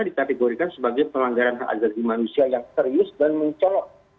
diterpegolikan sebagai pelanggaran agama manusia yang serius dan mencolok